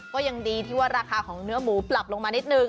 ก็ยังดีที่ว่าราคาของเนื้อหมูปรับลงมานิดนึง